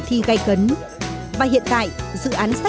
thực tế ảo tăng cường ar